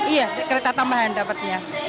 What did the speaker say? iya kereta tambahan dapetnya